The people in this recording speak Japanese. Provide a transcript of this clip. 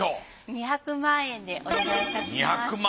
２００万円でお願いいたします。